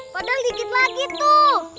padahal dikit lagi tuh